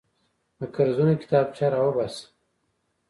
د قرضونو کتابچه راوباسه.